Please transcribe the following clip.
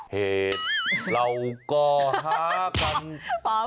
เหตุเราก็ท้ากัน